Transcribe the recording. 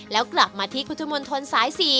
แล้วกลับมาที่กุฑมนต์ทนซ้าย๔